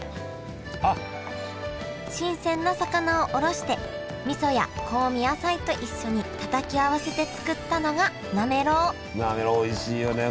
新鮮な魚をおろしてみそや香味野菜と一緒にたたき合わせて作ったのがなめろうおいしいよね。